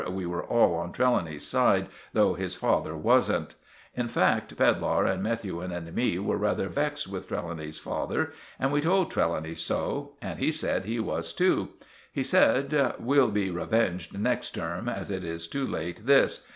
We were all on Trelawny's side, though his father wasn't. In fact, Pedlar and Methuen and me were rather vexed with Trelawny's father; and we told Trelawny so; and he said he was too. He said— "We'll be revenged next term, as it is too late this.